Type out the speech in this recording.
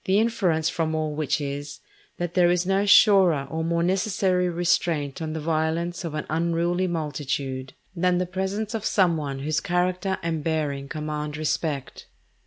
The inference from all which is, that there is no surer or more necessary restraint on the violence of an unruly multitude, than the presence of some one whose character and bearing command respect.